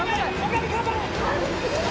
岡部頑張れ！